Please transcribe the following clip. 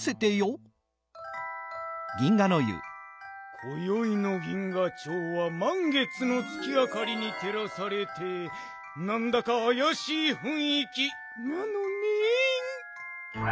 こよいの銀河町はまん月の月あかりにてらされてなんだかあやしいふんいきなのねん。